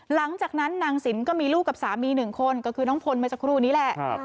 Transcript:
หลังจากนั้นนางสินก็มีลูกกับสามีหนึ่งคนก็คือน้องพลเมื่อสักครู่นี้แหละ